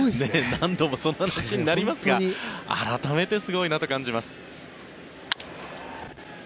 何度もそんな話になりますが改めてすごいなと感じます。